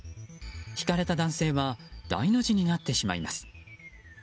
ひかれた男性は大の字になってしまいます。